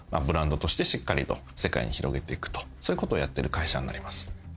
ブランドとしてしっかりと世界に広げていくとそういうことをやってる会社になります。